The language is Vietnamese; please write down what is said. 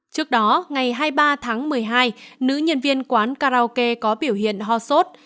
trước đó ngày hai mươi ba tháng một mươi hai nữ nhân viên quán karaoke có biểu hiện ho sốt